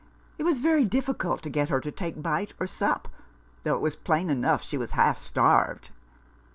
It was very difficult to get her to take bite or sup, though it was plain enough she was half starved."